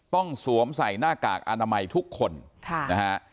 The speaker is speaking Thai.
ต้องสวมใส่หน้ากากอนามัยทุกคนนะฮะ